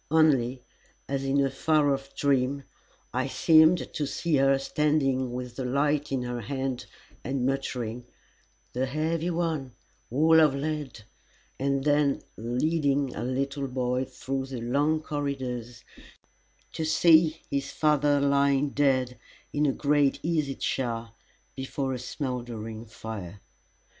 Only, as in a far off dream, I seemed to see her standing with the light in her hand and muttering, "The heavy one all of lead," and then leading a little boy through the long corridors to see his father lying dead in a great easy chair before a smouldering fire.